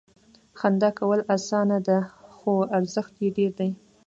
• خندا کول اسانه دي، خو ارزښت یې ډېر دی.